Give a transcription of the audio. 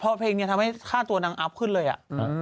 เพราะเพลงนี้ทำให้ค่าตัวนางอัพขึ้นเลยอ่ะ